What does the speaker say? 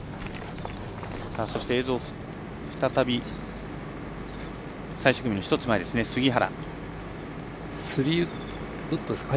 そして、映像再び最終組の１つ前、杉原。